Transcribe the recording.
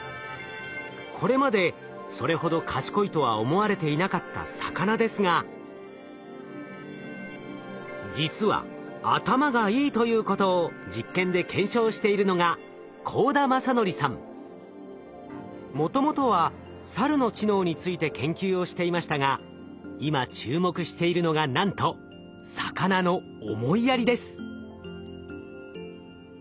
これまでそれほど賢いとは思われていなかった魚ですが実は頭がいいということを実験で検証しているのがもともとはサルの知能について研究をしていましたが今注目しているのがなんと魚の思いやりです。